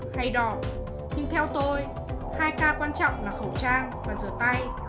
hay đỏ nhưng theo tôi hai ca quan trọng là khẩu trang và rửa tay